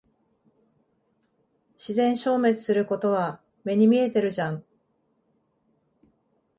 自然消滅することは目に見えてるじゃん。